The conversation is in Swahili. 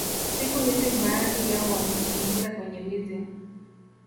Siku hzi baadhi yao wamejiingiza kwenye wizi